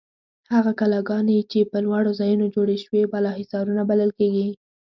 هغه کلاګانې چې په لوړو ځایونو جوړې شوې بالاحصارونه بلل کیږي.